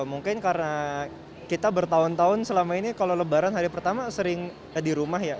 mungkin karena kita bertahun tahun selama ini kalau lebaran hari pertama sering di rumah ya